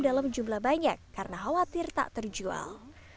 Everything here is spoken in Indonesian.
dalam jumlah banyak karena khawatir tak terjual